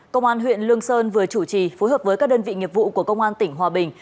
công an huyện lương sơn vừa chủ trì phối hợp với các đơn vị nghiệp vụ của công an tỉnh hòa bình